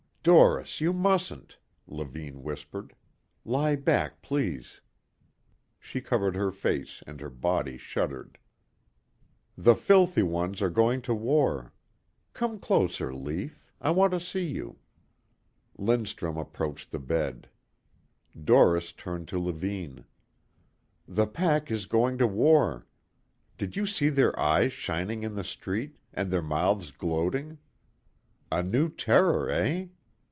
"Doris, you mustn't," Levine whispered. "Lie back, please." She covered her face and her body shuddered. "The filthy ones are going to war. Come closer, Lief. I want to see you." Lindstrum approached the bed. Doris turned to Levine. "The pack is going to war. Did you see their eyes shining in the street, and their mouths gloating? A new terror, eh?"